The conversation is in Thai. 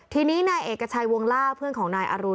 ทีนี้นายเอกชัยวงล่าเพื่อนของนายอรุณ